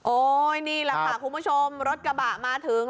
นี่แหละค่ะคุณผู้ชมรถกระบะมาถึง